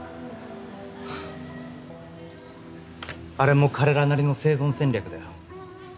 ふっあれも彼らなりの生存戦略だよ。